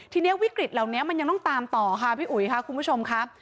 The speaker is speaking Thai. ทีนี้วิกฤตเหล่านี้มันยังต้องตามต่อค่ะพี่อุ๋ยค่ะคุณผู้ชมครับ